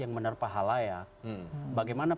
yang menerpa hal layak bagaimana